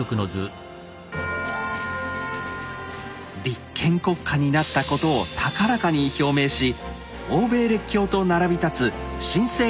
立憲国家になったことを高らかに表明し欧米列強と並び立つ新生